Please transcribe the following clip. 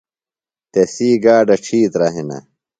تسی گاڈہ ڇِھیترہ ہِنہ۔